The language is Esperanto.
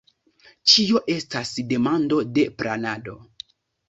Ĉio estas demando de planado.